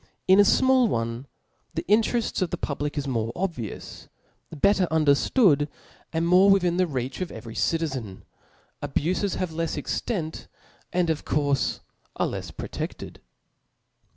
In a fmall one, the intereft of the public is more obvi ous. Setter underftood, and more within the reach of every citizen ; abufes have lefs extent, and of courfe are lefs prote6led.